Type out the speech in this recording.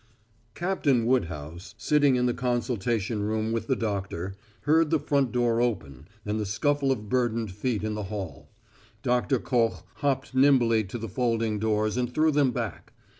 Captain Woodhouse, sitting in the consultation room with the doctor, heard the front door open and the scuffle of burdened feet in the hall. Doctor Koch hopped nimbly to the folding doors and threw them back.